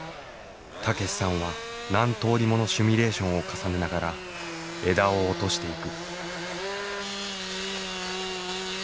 武さんは何通りものシミュレーションを重ねながら枝を落としていく。